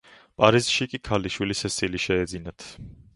პარიზში კი ქალიშვილი სესილი შეეძინათ.